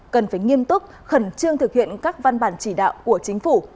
cần phải nghiêm túc khẩn trương thực hiện các văn bản chỉ đạo của chính phủ